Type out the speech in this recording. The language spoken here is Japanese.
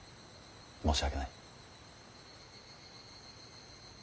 申し訳ない。